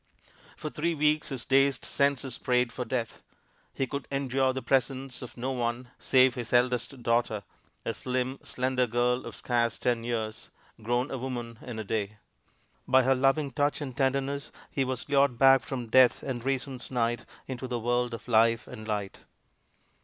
For three weeks his dazed senses prayed for death. He could endure the presence of no one save his eldest daughter, a slim, slender girl of scarce ten years, grown a woman in a day. By her loving touch and tenderness he was lured back from death and reason's night into the world of life and light.